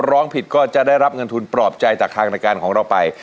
ร้องผิดก็จะได้รับเงินทุนปลอบใจจากทางรายการของเราไป